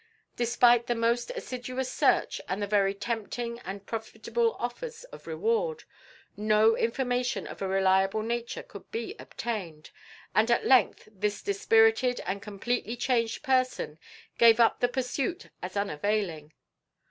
Despite the most assiduous search and very tempting and profitable offers of reward, no information of a reliable nature could be obtained, and at length this dispirited and completely changed person gave up the pursuit as unavailing.